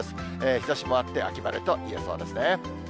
日ざしもあって、秋晴れといえそうですね。